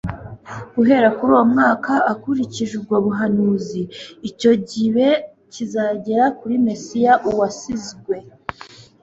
Guhera kuri uwo mwaka, ukurikije ubwo buhanuzi, icyo gibe kigera kuri Mesiya, Uwasizwe.